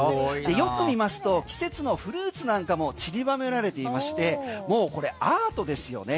よく見ますと季節のフルーツなんかも散りばめられていましてもうこれ、アートですよね。